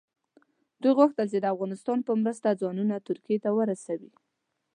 دوی غوښتل چې د افغانستان په مرسته ځانونه ترکیې ته ورسوي.